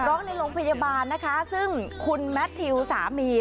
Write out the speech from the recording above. ร้องในโรงพยาบาลนะคะซึ่งคุณแมททิวสามี